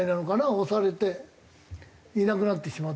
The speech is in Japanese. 押されていなくなってしまってるという。